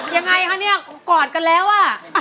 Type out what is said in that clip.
ยังไงคะเนี่ยกอดกันแล้วอ่ะ